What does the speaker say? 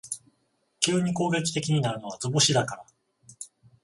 急に攻撃的になるのは図星だから